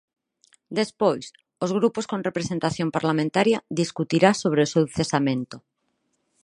Despois, os grupos con representación parlamentaria discutirá sobre o seu cesamento.